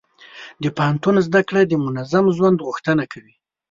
د پوهنتون زده کړه د منظم ژوند غوښتنه کوي.